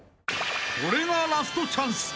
［これがラストチャンス